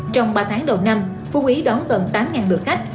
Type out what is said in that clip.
trong ba tháng đầu năm phú quý đón gần tám lượt khách